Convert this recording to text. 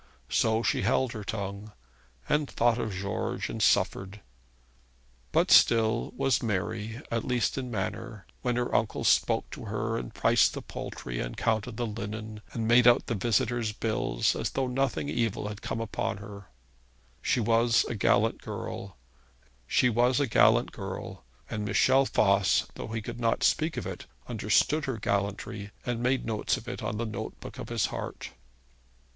So she held her tongue, and thought of George, and suffered; but still was merry, at least in manner, when her uncle spoke to her, and priced the poultry, and counted the linen, and made out the visitors' bills, as though nothing evil had come upon her. She was a gallant girl, and Michel Voss, though he could not speak of it, understood her gallantry and made notes of it on the note book of his heart.